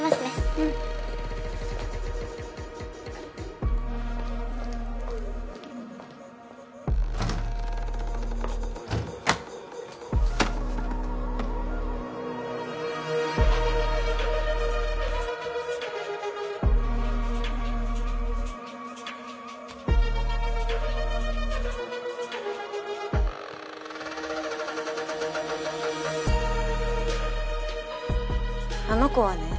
うんあの子はね